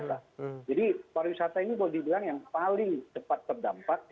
jadi wariwisata ini boleh dibilang yang paling cepat terdampak ya